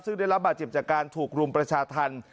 ซึ่งได้รับบาดเจ็บจากการถูกรุมประชาธรรม